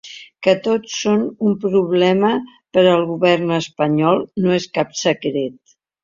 Que tots són un problema per al govern espanyol no és cap secret.